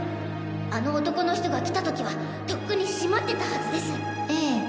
あの男の人が来た時はとっくに閉まってたはずですええ